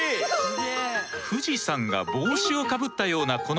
富士山が帽子をかぶったようなこの雲は笠雲。